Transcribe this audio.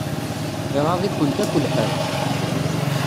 Iɣaḍ-ikunt akk lḥal.